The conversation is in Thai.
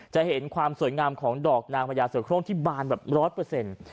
จะเห็นความสวยงามของดอกนางมะยาสวยโครงที่บานแบบ๑๐๐